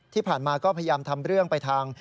ที่ผ่านมาก็พยายามทำเรื่องไปทาง